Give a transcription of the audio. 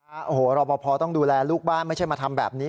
โอ้โหรอปภต้องดูแลลูกบ้านไม่ใช่มาทำแบบนี้